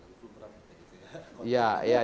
itu merangkutnya gitu ya